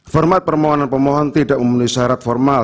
format permohonan pemohon tidak memenuhi syarat formal